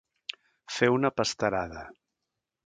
Fer una pasterada.